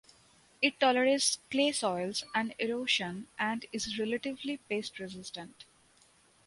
It tolerates clay soils and erosion and is relatively pest resistant.